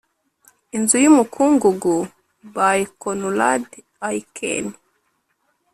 "inzu y'umukungugu" by conrad aiken